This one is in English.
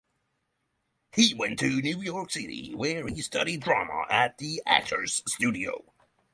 He went to New York City where he studied drama at The Actor's Studio.